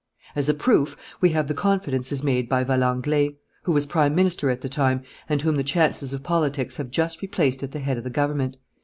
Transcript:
"As a proof, we have the confidences made by Valenglay, who was Prime Minister at the time and whom the chances of politics have just replaced at the head of the government.